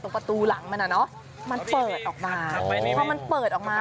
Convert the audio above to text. ประตูหลังมันอ่ะเนอะมันเปิดออกมาพอมันเปิดออกมา